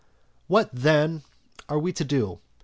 What, then, are we to do?